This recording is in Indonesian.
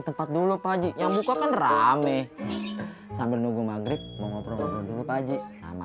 tempat dulu pak haji yang buka kan rame sambil nunggu maghrib mau ngobrol dulu pak haji sama